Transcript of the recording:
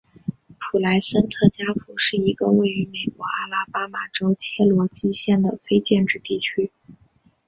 普莱森特加普是一个位于美国阿拉巴马州切罗基县的非建制地区。